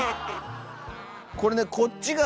これねこっちが。